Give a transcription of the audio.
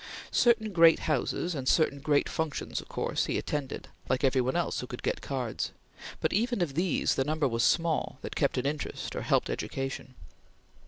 Certain great houses and certain great functions of course he attended, like every one else who could get cards, but even of these the number was small that kept an interest or helped education.